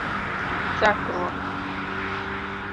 chakruok